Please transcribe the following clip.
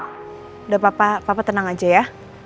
sudah papa tenang aja ya